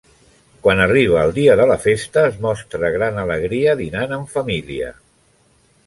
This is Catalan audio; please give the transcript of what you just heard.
Quan arriba el dia de la festa es mostra gran alegria dinant en família.